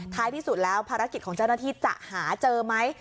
ที่สุดแล้วภารกิจของเจ้าหน้าที่จะหาเจอไหม